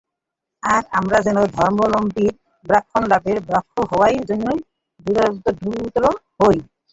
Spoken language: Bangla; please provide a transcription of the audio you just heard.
আর আমরা যেন ধর্মোপলব্ধির, ব্রহ্মলাভের ও ব্রহ্ম হওয়ার জন্যই দৃঢ়ব্রত হই।